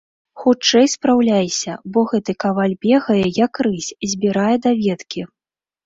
Хутчэй спраўляйся, бо гэты каваль бегае, як рысь, збірае даведкі.